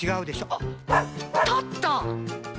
あっ立った！